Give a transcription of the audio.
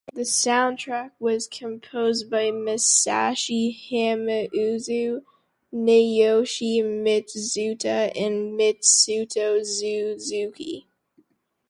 The soundtrack was composed by Masashi Hamauzu, Naoshi Mizuta and Mitsuto Suzuki.